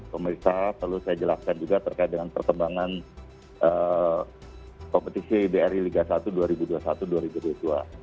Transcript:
pemirsa perlu saya jelaskan juga terkait dengan perkembangan kompetisi bri liga satu dua ribu dua puluh satu dua ribu dua puluh dua